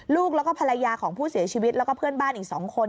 ลูกแล้วก็ภรรยาของผู้เสียชีวิตแล้วก็เพื่อนบ้านอีก๒คน